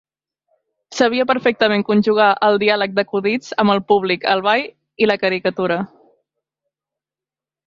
Sabia perfectament conjugar el diàleg d'acudits amb el públic, el ball i la caricatura.